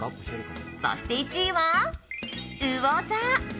そして１位は、うお座。